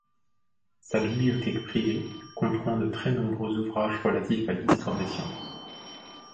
Sa bibliothèque privée comprend de très nombreux ouvrages relatifs à l'histoire des sciences.